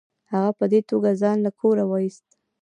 هغه په دې توګه ځان له کوره وایست.